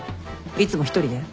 いつも一人で？